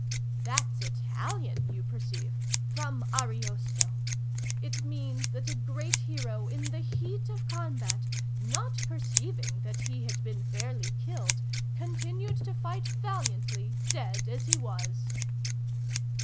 "That's Italian, you perceive—from Ariosto. It means that a great hero, in the heat of combat, not perceiving that he had been fairly killed, continued to fight valiantly, dead as he was.